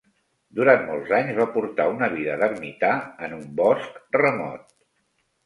Durant molts anys va portar una vida d'ermità en un bosc remot.